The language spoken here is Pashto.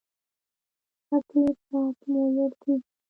مټې به ازمویل کېږي.